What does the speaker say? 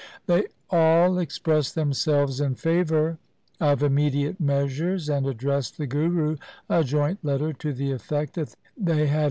They all expressed themselves in favour of immediate measures, and addressed the Guru a joint letter to the effect that they had.